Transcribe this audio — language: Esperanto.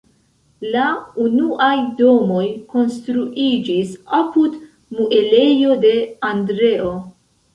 La unuaj domoj konstruiĝis apud muelejo de "Andreo".